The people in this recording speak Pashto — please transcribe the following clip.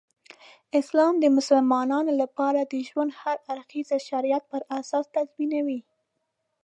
اسلام د مسلمانانو لپاره د ژوند هر اړخ د شریعت پراساس تنظیموي.